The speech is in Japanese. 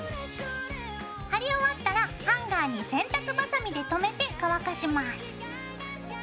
貼り終わったらハンガーに洗濯バサミで留めて乾かします。